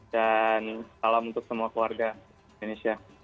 dan salam untuk semua keluarga di indonesia